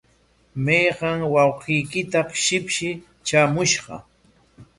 ¿Mayqa wawqiykitaq shipshi traamushqa?